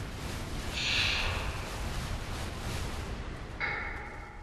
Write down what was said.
সেগুলো হলো আইনের শাসন, নিয়ন্ত্রণের দক্ষতা, সরকারের স্বল্প ভূমিকা এবং মুক্তবাজার।